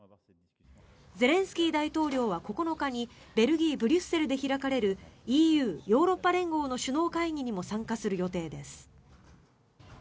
ゼレンスキー大統領は９日にベルギー・ブリュッセルで開かれるＥＵ・ヨーロッパ連合の首脳会議にも参加する予定です。